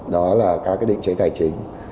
đó là các định chế tài chính